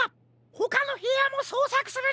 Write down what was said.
ほかのへやもそうさくするんじゃ！